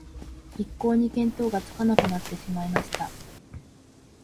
一向に見当がつかなくなっていました